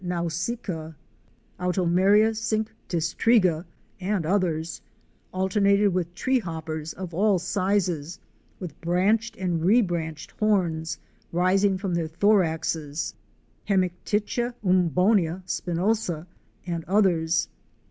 nausica, Auto meria cinctistriga and others) alternated with tree hoppers of all sizes with branched and rebranched horns rising from their thoraxes (Hemiptycha [Umbonia] spinosa and others).